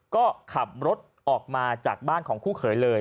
ก็ขับรถออกมาจากบ้านของคู่เขยเลย